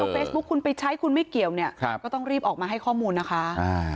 เฟซบุ๊คคุณไปใช้คุณไม่เกี่ยวเนี่ยครับก็ต้องรีบออกมาให้ข้อมูลนะคะอ่า